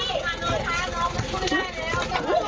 เอาหน้ามา